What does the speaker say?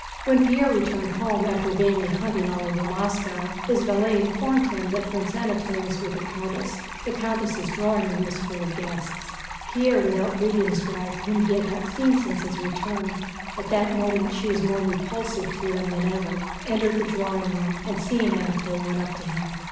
When Pierre returned home after vainly hunting all over Moscow, his valet informed him that Prince Anatole was with the countess. The countess' drawing room was full of guests. Pierre without greeting his wife whom he had not seen since his return—at that moment she was more repulsive to him than ever—entered the drawing room and seeing Anatole went up to him.